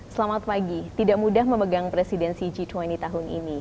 selamat pagi tidak mudah memegang presidensi g dua puluh tahun ini